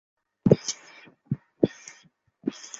এসব আসলো কোথা থেকে মনে কর?